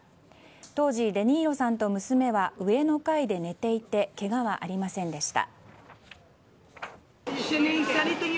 当時デ・ニーロさんと娘は上の階で寝ていてけがはありませんでした。